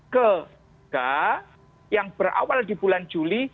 ketiga yang berawal di bulan juli